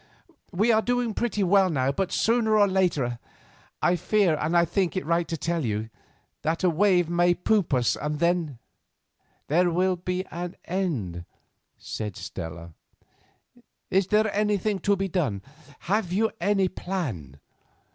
We are doing pretty well now, but sooner or later, I fear, and I think it right to tell you, that a wave may poop us and then——" "There will be an end," said Stella. "Is there anything to be done? Have you any plan?"